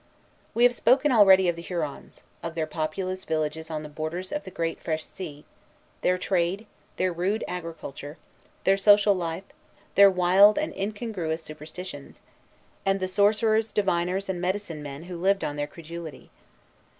We have spoken already of the Hurons, of their populous villages on the borders of the great "Fresh Sea," their trade, their rude agriculture, their social life, their wild and incongruous superstitions, and the sorcerers, diviners, and medicine men who lived on their credulity.